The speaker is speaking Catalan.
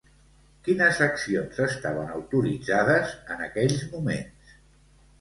Quines accions estaven autoritzades en aquells moments?